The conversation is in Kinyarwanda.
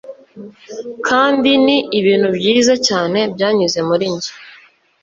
Kandi ni ibintu byiza cyane byanyuze muri njye